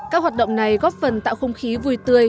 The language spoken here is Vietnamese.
các hoạt động này góp phần tạo không khí vui tươi